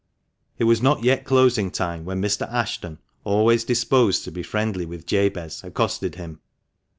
It was not yet closing time when Mr. Ashton, always disposed to be friendly with Jabez, accosted him.